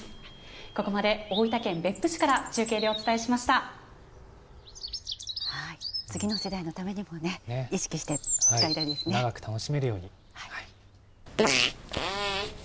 ここまで大分県別府市から中継で次の世代のためにもね、意識長く楽しめるように。